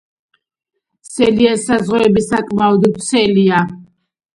სულიას საზღვრები საკმაოდ ვრცელია.